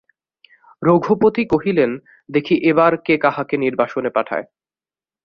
রঘুপতি কহিলেন, দেখি এবার কে কাহাকে নির্বাসনে পাঠায়।